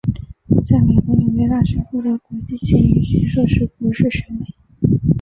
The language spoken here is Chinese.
在美国纽约大学获得国际经营学硕士博士学位。